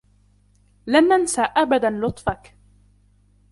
لن ننسى أبدا لطفك.